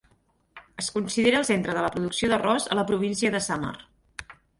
Es considera el centre de la producció d'arròs a la província de Samar.